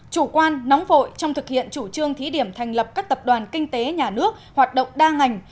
chủ quan nóng vội trong thực hiện chủ trương thí điểm thành lập các tập đoàn kinh tế nhà nước hoạt động đa ngành